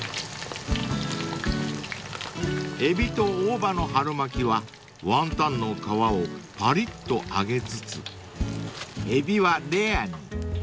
［エビと大葉の春巻きはワンタンの皮をパリッと揚げつつエビはレアに］